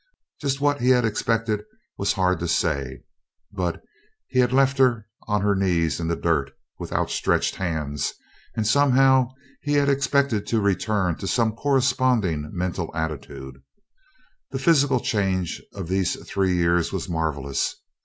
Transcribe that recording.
Just what he had expected was hard to say; but he had left her on her knees in the dirt with outstretched hands, and somehow he had expected to return to some corresponding mental attitude. The physical change of these three years was marvellous.